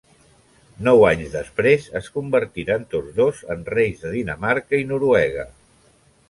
Nou anys després es convertiren tots dos en reis de Dinamarca i Noruega.